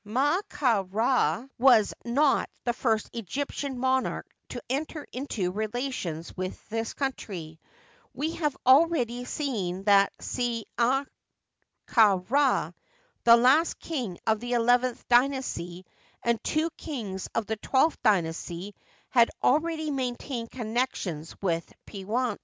Ma ka Ra was not the first Egyptian monarch to enter into relations with this country. We have already seen that Se anch ka Ra, the last king of the eleventh dy nasty, and two kings of the twelfth dynasty, had already maintained connections >vith Pewent.